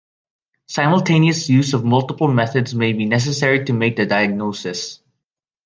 Simultaneous use of multiple methods may be necessary to make the diagnosis.